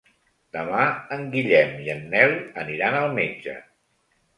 Demà en Guillem i en Nel aniran al metge.